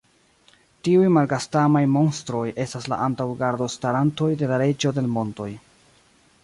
Tiuj malgastamaj monstroj estas la antaŭ-gardostarantoj de la Reĝo de l' montoj.